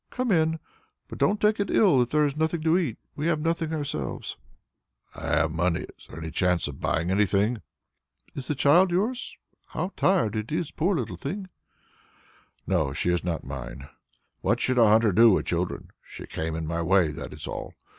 "Come in, but don't take it ill that there is nothing to eat; we have nothing ourselves." "I have money, if there is any chance of buying anything." "Is the child yours? How tired it is, poor little thing!" "No, she is not mine. What should a hunter do with children? She came in my way, that is all.